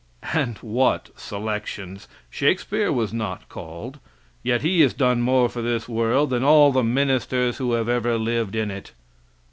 And what selections! Shakespeare was not called. Yet he has done more for this world than all the ministers who have ever lived in it.